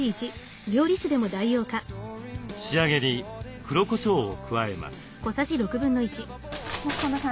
仕上げに黒こしょうを加えます。